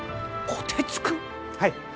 はい。